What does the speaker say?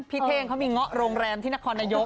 เท่งเขามีเงาะโรงแรมที่นครนายก